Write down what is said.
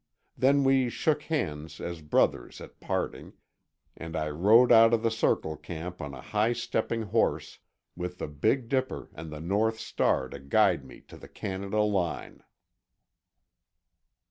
Then we shook hands as brothers at parting, and I rode out of the Circle camp on a high stepping horse, with the Big Dipper and the North Star to guide me to the Canada line.